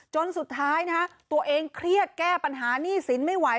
จนสุดท้ายนะฮะตัวเองเครียดแก้ปัญหาหนี้สินไม่ไหว